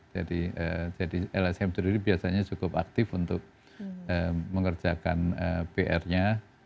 jadi lsm terdiri biasanya cukup aktif untuk mengerjakan pr nya